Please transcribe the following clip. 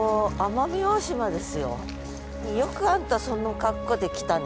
よくあんたその格好で来たね。